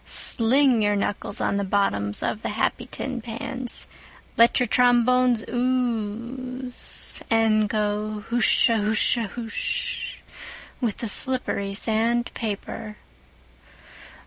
Sling your knuckles on the bottoms of the happy tin pans, let your trombones ooze, and go hushahusha hush with the slippery sand paper.